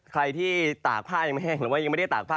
ใครที่ตากผ้ายังแห้งหรือว่ายังไม่ได้ตากผ้า